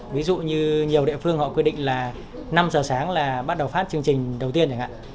ví dụ như nhiều địa phương họ quyết định là năm giờ sáng là bắt đầu phát chương trình đầu tiên chẳng hạn